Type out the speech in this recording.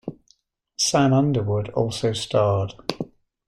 Sam Underwood also starred.